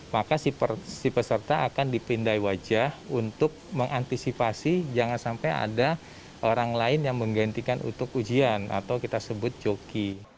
maka si peserta akan dipindai wajah untuk mengantisipasi jangan sampai ada orang lain yang menggantikan untuk ujian atau kita sebut joki